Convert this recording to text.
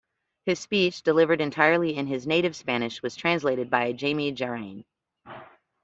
His speech, delivered entirely in his native Spanish, was translated by Jaime Jarrin.